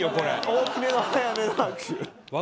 大きめの早めの拍手。